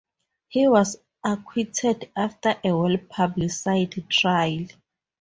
He was acquitted after a well-publicised trial.